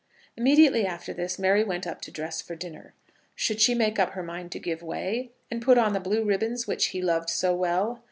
Immediately after this Mary went up to dress for dinner. Should she make up her mind to give way, and put on the blue ribbons which he loved so well?